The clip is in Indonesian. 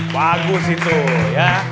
bagus itu ya